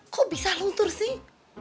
kok bisa luntur sih